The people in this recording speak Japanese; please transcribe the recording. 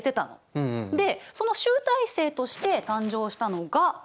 でその集大成として誕生したのがこれなんだけど。